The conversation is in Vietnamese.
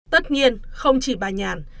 tất nhiên không chỉ bà nhàn